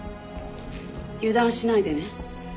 油断しないでね。